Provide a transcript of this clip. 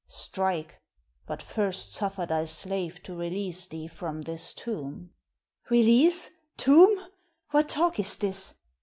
"Strike, but first suffer thy slave to release thee from this tomb." "Release? Tomb? What talk is this?"